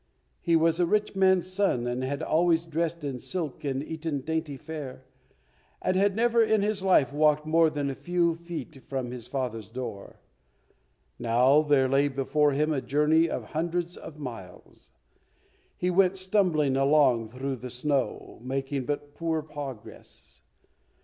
He was a rich man's son and had always dressed in silk and eaten dainty fare, and had never in his life walked more than a few feet from his father's door. Now there lay before him a journey of hundreds of miles. He went stumbling along through the snow, making but poor progress.